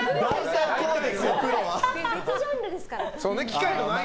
別ジャンルですから。